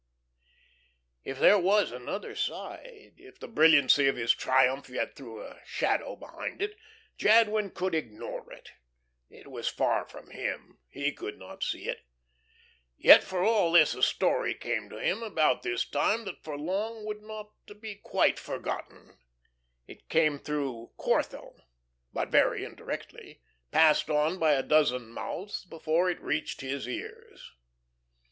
If there was another side, if the brilliancy of his triumph yet threw a shadow behind it, Jadwin could ignore it. It was far from him, he could not see it. Yet for all this a story came to him about this time that for long would not be quite forgotten. It came through Corthell, but very indirectly, passed on by a dozen mouths before it reached his ears.